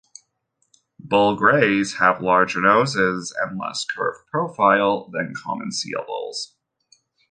Bull Greys have larger noses and a less curved profile than common seal bulls.